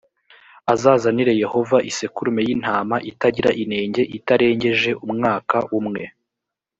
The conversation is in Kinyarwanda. azazanire yehova isekurume y intama itagira inenge itarengeje umwaka umwe